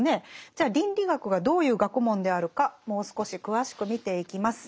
じゃあ倫理学がどういう学問であるかもう少し詳しく見ていきます。